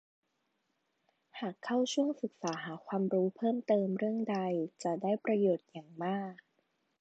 หากเข้าช่วงศึกษาหาความรู้เพิ่มเติมเรื่องใดจะได้ประโยชน์อย่างมาก